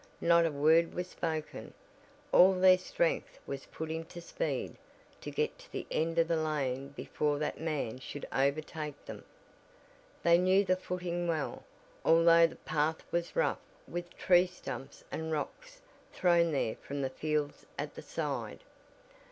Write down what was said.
Not a word was spoken all their strength was put into speed to get to the end of the lane before that man should overtake them! They knew the footing well, although the path was rough with tree stumps and rocks thrown there from the fields at the side.